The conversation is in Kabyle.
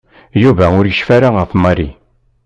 Yuba ur yecfi ara ɣef Mary.